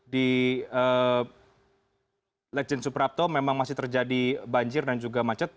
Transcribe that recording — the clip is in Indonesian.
di legend suprapto memang masih terjadi banjir dan juga macet